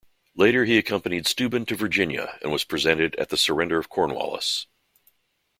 Later he accompanied Steuben to Virginia, and was present at the surrender of Cornwallis.